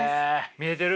見えてる？